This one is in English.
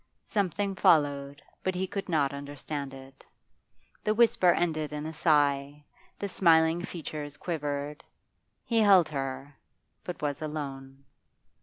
Something followed, but he could not understand it. The whisper ended in a sigh, the smiling features quivered. He held her, but was alone.